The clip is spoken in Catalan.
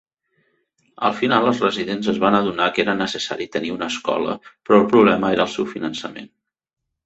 Al finals els residents es van adonar que era necessari tenir una escola però el problema era el seu finançament.